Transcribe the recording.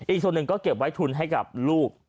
อีกส่วนหนึ่งก็เก็บไว้ทุนให้กับลูก